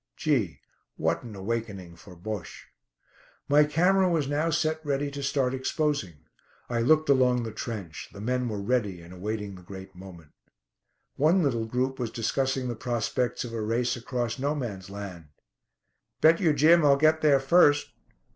Gee, what an awakening for Bosche! My camera was now set ready to start exposing. I looked along the trench. The men were ready and waiting the great moment. One little group was discussing the prospects of a race across "No Man's Land." "Bet you, Jim, I'll get there first."